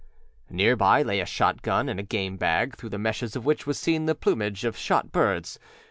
Near by lay a shotgun and a game bag through the meshes of which was seen the plumage of shot birds.